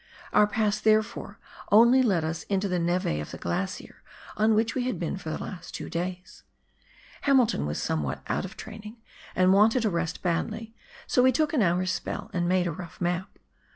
Our pass, therefore, only led us into the neve of the glacier on which we had been for the last two days. Hamilton was somewhat out of training and wanted a rest badly, so we took an hour's spell and made a rough map.